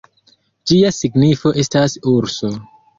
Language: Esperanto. Ĝia signifo estas "urso".